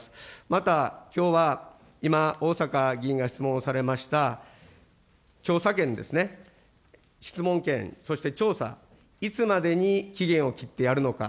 また、きょうは今、逢坂議員が質問されました、調査権ですね、質問権、そして調査、いつまでに期限を切ってやるのか。